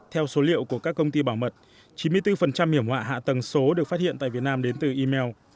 theo số liệu của các công ty bảo mật chín mươi bốn hiểm họa hạ tầng số được phát hiện tại việt nam đến từ email